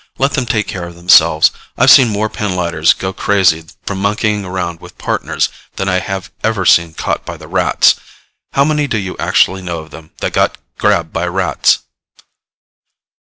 Let them take care of themselves. I've seen more pinlighters go crazy from monkeying around with Partners than I have ever seen caught by the Rats. How many do you actually know of them that got grabbed by Rats?"